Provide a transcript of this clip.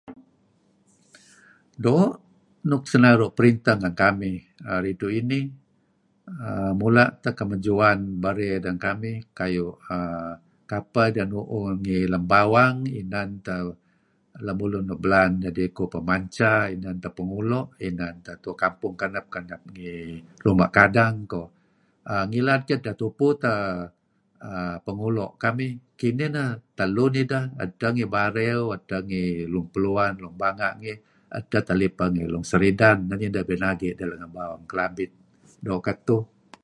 do' nuk senaru periteh ngen kamih resu' inih um mula teh kemajuan bire deh ngen kamih kuh ayu um kapeh deh nu'uh ngi lem bawang eh inan teh lemulun nuk belaan ideh kuh Pemanchca inan teh Pengulo inan teh tua kampung kenep-kenep ngi ruma kadang kuh ngilad ke' setupu teh um pengulo kamih nekinih teluh neh ideh edteh ngi Bariu edteh ngi Long Peluan Long Banga edteh teh pipeh ngi Long Seridan neh ideh binegi ngen kelabit do ketuh